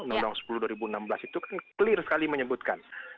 undang undang sepuluh dua ribu enam belas itu kan clear sekali menyebutkan